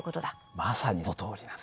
まさにそのとおりなの。